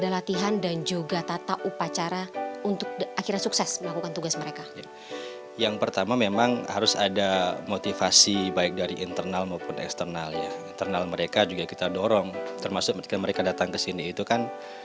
latihan di kota sama capaskan capaskan siantar